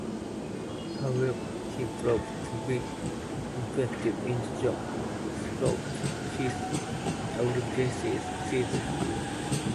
However, he proved to be ineffective in the job throughout his abbreviated season.